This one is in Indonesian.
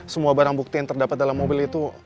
semua barang bukti yang terdapat dalam mobil itu